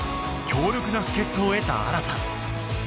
強力な助っ人を得た新